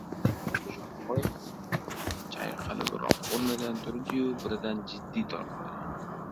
Shodivoy chayqalibroq o‘rnidan turdi-yu, birdan jiddiy tortdi.